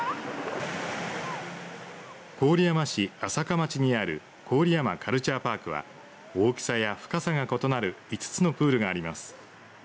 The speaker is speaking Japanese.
郡山市安積町にある郡山カルチャーパークは大きさや深さが異なる５つのプールがあります。